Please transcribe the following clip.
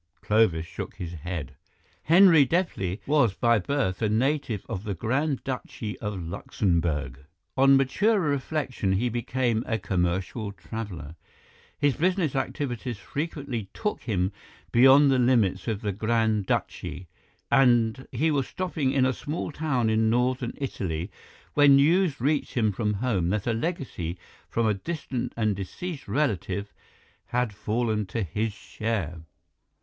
Clovis shook his head. "Henri Deplis was by birth a native of the Grand Duchy of Luxemburg. On maturer reflection he became a commercial traveller. His business activities frequently took him beyond the limits of the Grand Duchy, and he was stopping in a small town of Northern Italy when news reached him from home that a legacy from a distant and deceased relative had fallen to his share.